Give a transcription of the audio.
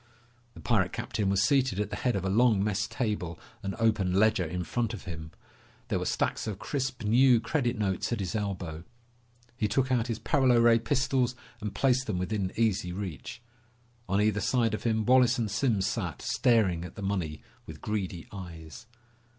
The pirate captain was seated at the head of a long mess table, an open ledger in front of him. There were stacks of crisp new credit notes at his elbow. He took out his paralo ray pistols and placed them within easy reach. On either side of him, Wallace and Simms sat, staring at the money with greedy eyes.